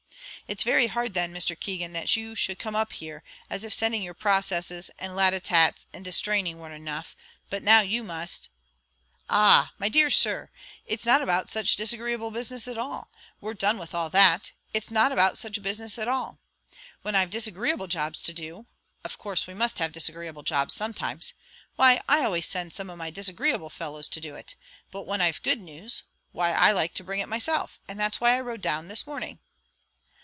"It's very hard, then, Mr. Keegan, that you should come up here; as if sending your processes, and latitats, and distraining, weren't enough, but now you must " "Ah! my dear Sir, it's not about such disagreeable business at all we're done with all that. It's not about such business at all. When I've disagreeable jobs to do of course we must have disagreeable jobs sometimes why, I always send some of my disagreeable fellows to do it; but when I've good news, why I like to bring it myself, and that's why I rode down this morning."